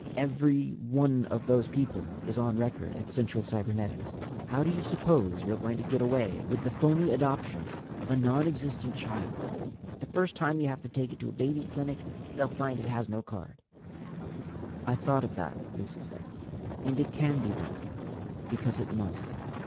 Every one of those people is on record at Central Cybernetics. How do you suppose you're going to get away with the phony adoption of a non existent child? The first time you have to take it to a baby clinic, they'll find it has no card." "I thought of that," Lucy said, "and it can be done, because it must.